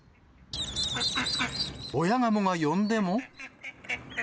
親ガモが呼んでも。